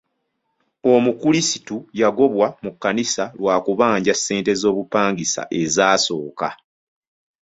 Omukulisitu yagobwa mu kkanisa lwa kubanja ssente z'obupangisa ezasooka.